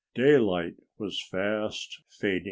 Daylight was fast fading.